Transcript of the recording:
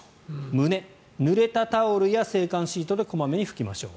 胸、ぬれたタオルや制汗シートで小まめに拭きましょう。